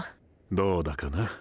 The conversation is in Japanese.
どうだかな。